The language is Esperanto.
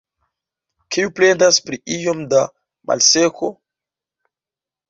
Kiu plendas pri iom da malseko?